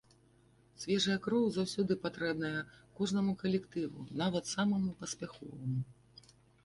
Свежая кроў заўсёды патрэбная кожнаму калектыву, нават самаму паспяховаму.